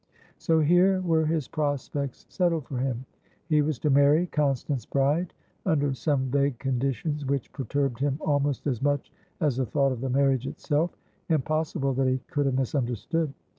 So here were his prospects settled for him! He was to marry Constance Brideunder some vague conditions which perturbed him almost as much as the thought of the marriage itself. Impossible that he could have misunderstood.